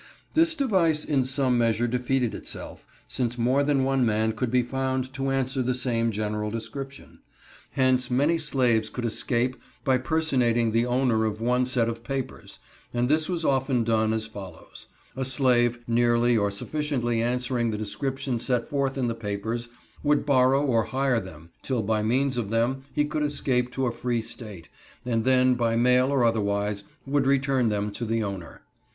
This device in some measure defeated itself—since more than one man could be found to answer the same general description. Hence many slaves could escape by personating the owner of one set of papers; and this was often done as follows: A slave, nearly or sufficiently answering the description set forth in the papers, would borrow or hire them till by means of them he could escape to a free State, and then, by mail or otherwise, would return them to the owner.